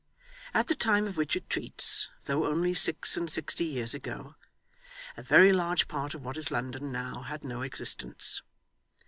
At the time of which it treats, though only six and sixty years ago, a very large part of what is London now had no existence.